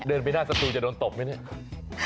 เดินไปหน้าสตุจน้องมันตบไหม